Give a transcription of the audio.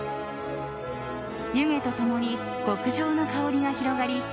湯気と共に極上の香りが広がり